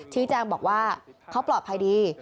ชี้แจงบอกว่าเขาปลอดภัยดี